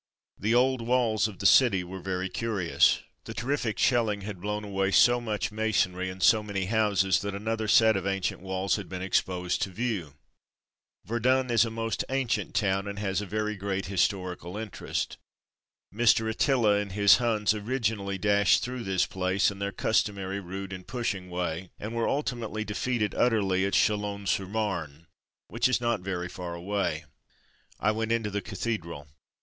The old walls of the city were very curious ; the " There's 'eaps of ice 'round 'ere, Bill, all we wants is a drop of vaniUa. " Underground Halls 193 terrific shelling had blown away so much masonry and so many houses that another set of ancient walls had been exposed to view ! Verdun is a most ancient town, and has a very great historical interest. Mr. Attila and his Huns originally dashed through this place, in their customary rude and pushing way, and were ultimately defeated utterly at Chalons sur Marne — ^which is not very far away. I went into the cathedral.